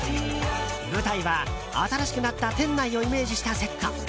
舞台は新しくなった店内をイメージしたセット。